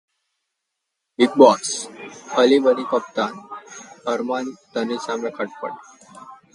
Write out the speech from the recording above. Bigg Boss: Eli बनीं कप्तान, अरमान-तनिषा में खटपट